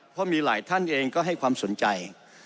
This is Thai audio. เพราะมีหลายท่านเองก็ให้ความสนใจ